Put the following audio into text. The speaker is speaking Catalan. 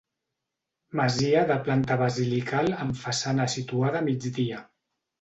Masia de planta basilical amb façana situada a migdia.